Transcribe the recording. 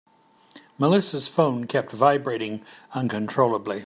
Melissa's phone kept vibrating uncontrollably.